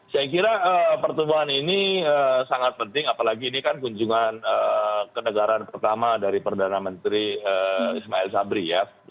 saya kira pertemuan ini sangat penting apalagi ini kan kunjungan ke negaraan pertama dari perdana menteri ismail sabri ya